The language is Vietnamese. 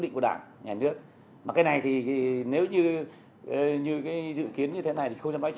xử lý đến đây